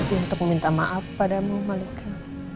untuk meminta maaf padamu malika